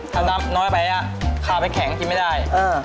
ถ้าน้ำน้อยไปขาไปแข็งกินไม่ได้